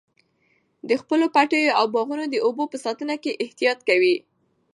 د خپلو پټیو او باغونو د اوبو په ساتنه کې احتیاط کوئ.